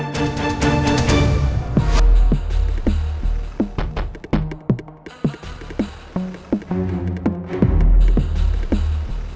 saya mau ke rumah